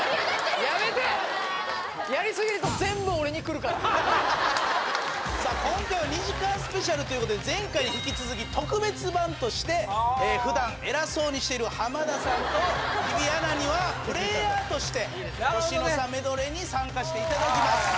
やめてさあ今回は２時間スペシャルということで前回に引き続き特別版として普段偉そうにしてる浜田さんと日比アナにはプレイヤーとして年の差メドレーに参加していただきます